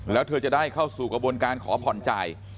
แล้วเธอจะได้เข้าสู่กระบวนการขอผ่อนจ่าย